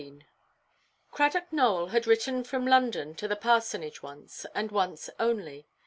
Cradock Nowell had written from London to the Parsonage once, and once only.